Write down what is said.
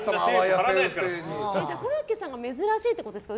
コロッケさんが珍しいってことですか。